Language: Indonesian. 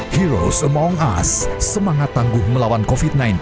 heroes among us semangat tangguh melawan covid sembilan belas